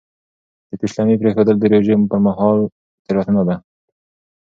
د پېشلمي پرېښودل د روژې پر مهال تېروتنه ده.